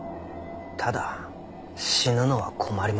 ただ死ぬのは困ります。